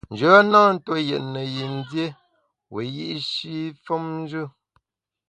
Njoya na ntue yètne yin dié wiyi’shi femnjù.